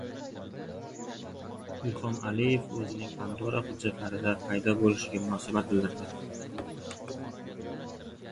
Ilhom Aliyev o‘zining «Pandora hujjatlari»da paydo bo‘lishiga munosabat bildirdi